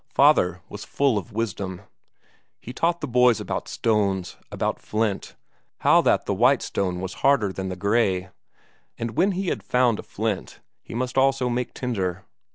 Father was full of wisdom. He taught the boys about stones, about flint, how that the white stone was harder than the grey; but when he had found a flint, he must also make tinder.